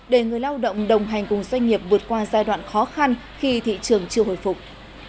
để người lao động đồng hành cùng doanh nghiệp vượt qua giai đoạn khó khăn khi thị trường chưa hồi phục